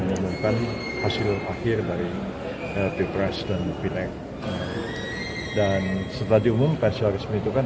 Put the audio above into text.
mengumumkan hasil akhir dari depresi dan dan setelah diumumkan seharusnya itu kan